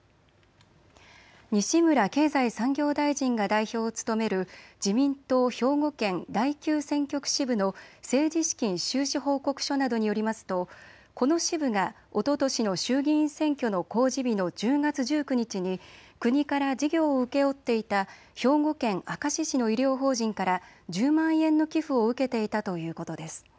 西村経済産業大臣が代表を務める自民党兵庫県第９選挙区支部の政治資金収支報告書などによりますと、この支部がおととしの衆議院選挙の公示日の１０月１９日に国から事業を請け負っていた兵庫県明石市の医療法人から１０万円の寄付を受けていたということです。